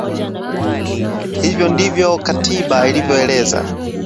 Hivyo ndivyo katiba ilivyoeleza